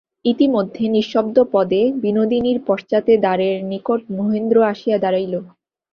ইতিমধ্যে নিঃশব্দপদে বিনোদিনীর পশ্চাতে দ্বারের নিকট মহেন্দ্র আসিয়া দাঁড়াইল।